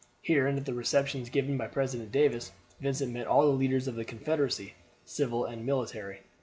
Here and at the receptions given by President Davis, Vincent met all the leaders of the Confederacy, civil and military.